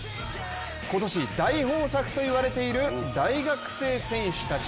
今年、大豊作と言われている大学生選手たち。